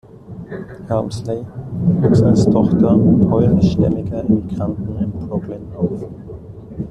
Helmsley wuchs als Tochter polnisch stämmiger Immigranten in Brooklyn auf.